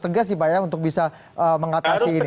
tegas sih pak ya untuk bisa mengatasi ini